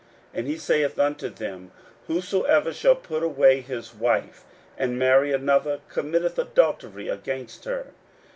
41:010:011 And he saith unto them, Whosoever shall put away his wife, and marry another, committeth adultery against her.